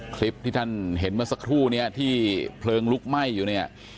คลิปที่ท่านเห็นเมื่อสักครู่เนี่ยที่เพลิงลุกไหม้อยู่เนี่ย